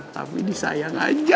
tapi disayang aja